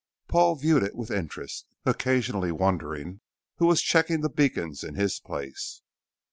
Paul viewed it with interest, occasionally wondering who was checking the beacons in his place.